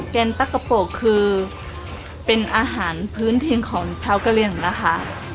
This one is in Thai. แกนตั๊กกะโปกคือเป็นอาหารพื้นถิ่นของชาวกะเหลี่ยงนะคะ